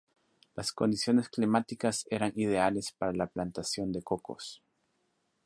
Las condiciones climáticas eran ideales para la plantación de cocos.